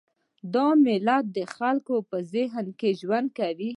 دا ملتونه د خلکو په ذهن کې ژوند کوي.